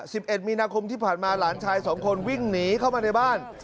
สิบเอ็ดมีนาคมที่ผ่านมาหลานชายสองคนวิ่งหนีเข้ามาในบ้าน